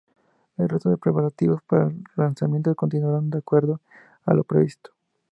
El resto de preparativos para el lanzamiento continuaron de acuerdo a lo previsto.